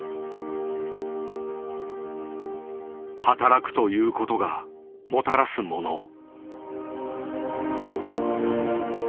「働く」ということがもたらすもの。